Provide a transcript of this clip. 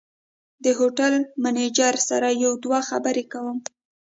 د هوټل منیجر سره یو دوه خبرې کوم.